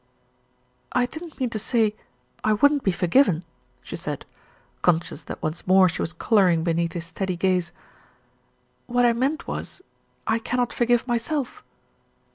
"I didn't mean to say I wouldn't be forgiven," she said, conscious that once more she was colouring be neath his steady gaze. "What I meant was, I cannot forgive myself."